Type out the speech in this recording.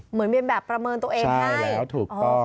เหมือนมีแบบประเมินตัวเองได้ใช่แล้วถูกต้อง